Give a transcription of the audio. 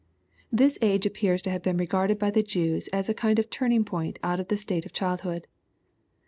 ] This age appears to have been regarded by the Jews as a kind of turning point out of the state of child hood.